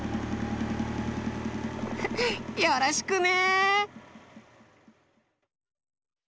よろしくね！